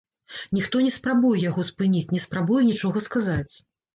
Ніхто не спрабуе яго спыніць, не спрабуе нічога сказаць.